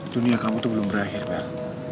dunia kamu itu belum berakhir pak